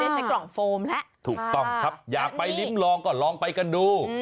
ใช้กล่องโฟมแล้วถูกต้องครับอยากไปลิ้มลองก็ลองไปกันดู